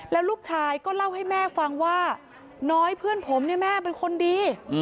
แล้วลูกชายก็เล่าให้แม่ฟังว่าน้อยเพื่อนผมเนี่ยแม่เป็นคนดี